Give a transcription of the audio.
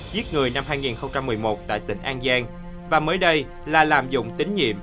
giết người năm hai nghìn một mươi một tại tỉnh an giang và mới đây là lạm dụng tín nhiệm